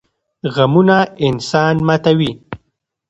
غمونه انسان ماتوي